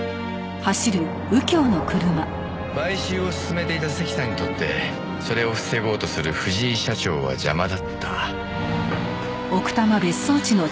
買収を進めていた関さんにとってそれを防ごうとする藤井社長は邪魔だった。